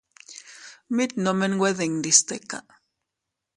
Mit nome nwe dindi stika.